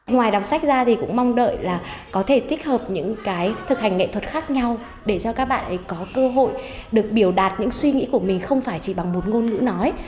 ngoài đọc sách ra thì cũng mong đợi là có thể tích hợp những cái thực hành nghệ thuật khác nhau để cho các bạn ấy có cơ hội được biểu đạt những suy nghĩ của mình không phải chỉ bằng một ngôn ngữ nói